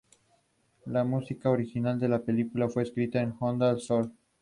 En China se hace referencia a su explotación desde hace unos ocho mil años.